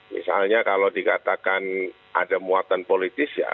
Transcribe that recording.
misalnya kalau dikatakan ada muatan politis ya